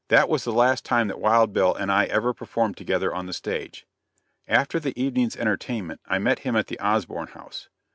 That was the last time that Wild Bill and I ever performed together on the stage. After the evening's entertainment I met him at the Osborn House.